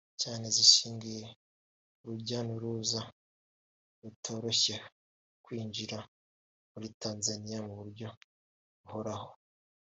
cyane zishingiye ku rujya n’uruza rutoroshya ku kwinjira muri Tanzania mu buryo buhoraho